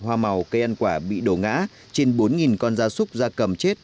hoa màu cây ăn quả bị đổ ngã trên bốn con da súc da cầm chết